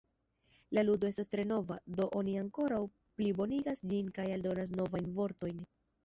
La ludo estas tre nova, do oni ankoraŭ plibonigas ĝin kaj aldonas novajn vortojn.